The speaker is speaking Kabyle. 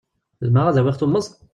Zemreɣ ad awiɣ tummeẓt?